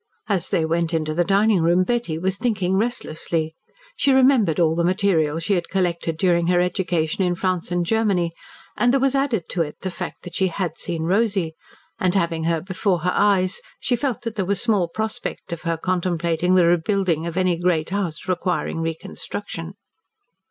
As they went into the dining room Betty was thinking restlessly. She remembered all the material she had collected during her education in France and Germany, and there was added to it the fact that she HAD seen Rosy, and having her before her eyes she felt that there was small prospect of her contemplating the rebuilding of any great house requiring reconstruction.